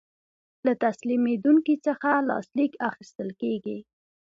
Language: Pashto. له تسلیمیدونکي څخه لاسلیک اخیستل کیږي.